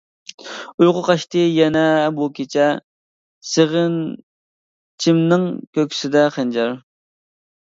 ئۇيقۇ قاچتى يەنە بۇ كېچە، سېغىنچىمنىڭ كۆكسىدە خەنجەر.